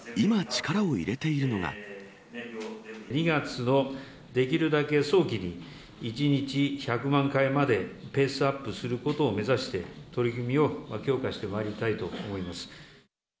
２月のできるだけ早期に、１日１００万回までペースアップすることを目指して、取り組みを強化してまいりたいと思います。